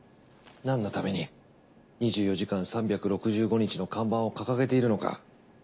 なんのために２４時間３６５日の看板を掲げているのか。